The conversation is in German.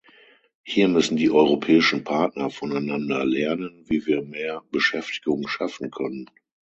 Hier müssen die europäischen Partner voneinander lernen, wie wir mehr Beschäftigung schaffen können.